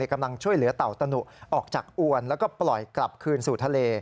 กำลังช่วยเหลือเต่าตะหนุออกจากอวนแล้วก็ปล่อยกลับคืนสู่ทะเล